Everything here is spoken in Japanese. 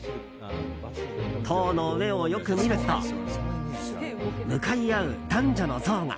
塔の上をよく見ると向かい合う男女の像が。